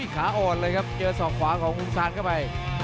ขาอ่อนเลยครับเจอศอกขวาของลุงซานเข้าไป